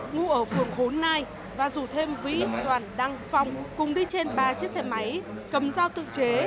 ngụ ở phường bốn nai và rủ thêm vĩ đoàn đăng phong cùng đi trên ba chiếc xe máy cầm dao tự chế